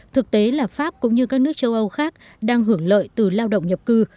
thực tế là pháp cũng như các nước châu âu khác đang hưởng lợi từ lao động nhập cư